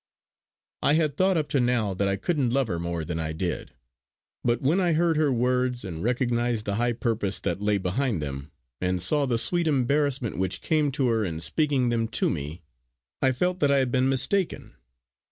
I had thought up to now that I couldn't love her more than I did. But when I heard her words, and recognised the high purpose that lay behind them, and saw the sweet embarrassment which came to her in speaking them to me, I felt that I had been mistaken.